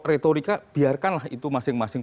retorika biarkanlah itu masing masing